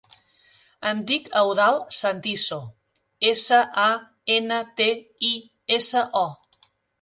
Em dic Eudald Santiso: essa, a, ena, te, i, essa, o.